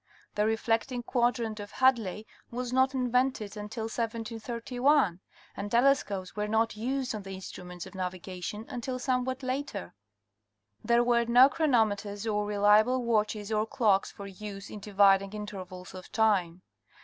The reflecting quadrant of Hadley was not invented until 1731 and telescopes were not used on the instruments of navigation until somewhat later. There were no chronometers or reliable watches or clocks for use in dividing intervals of time.